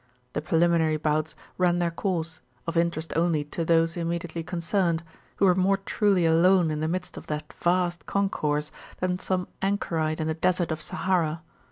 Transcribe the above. The preliminary bouts ran their course, of interest only to those immediately concerned, who were more truly alone in the midst of that vast concourse than some anchorite in the desert of Sahara.